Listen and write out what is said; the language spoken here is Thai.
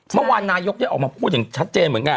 เมื่อวานนายกได้ออกมาพูดอย่างชัดเจนเหมือนกัน